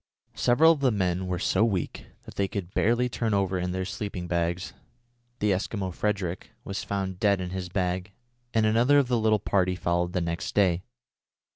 Several of the men were so weak that they could barely turn over in their sleeping bags. The Eskimo Frederick was found dead in his bag, and another of the little party followed the next day.